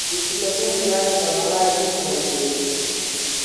د ټکټونو د راکړې پر مهال یې هېڅ نه وو ویلي.